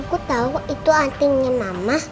aku tahu itu antingnya mama